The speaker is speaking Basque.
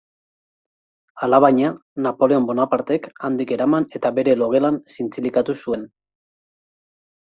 Alabaina, Napoleon Bonapartek handik eraman eta bere logelan zintzilikatu zuen.